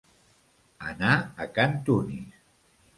Anar a can Tunis.